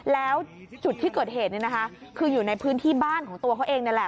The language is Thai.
แล้วจุดที่เกิดเหตุคืออยู่ในพื้นที่บ้านของตัวเขาเองนั่นแหละ